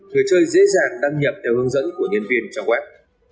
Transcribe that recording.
người chơi dễ dàng đăng nhập theo hướng dẫn của nhân viên trong web